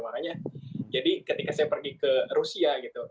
makanya jadi ketika saya pergi ke rusia gitu